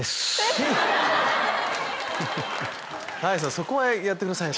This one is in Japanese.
そこはやってくださいよ